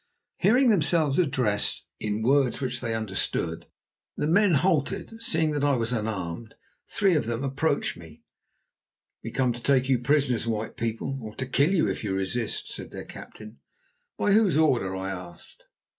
Hearing themselves addressed in words which they understood, the men halted, and seeing that I was unarmed, three of them approached me. "We come to take you prisoners, white people, or to kill you if you resist," said their captain. "By whose order?" I asked.